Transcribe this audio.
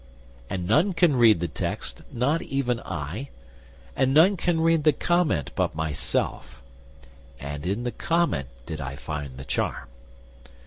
And none can read the text, not even I; And none can read the comment but myself; And in the comment did I find the charm.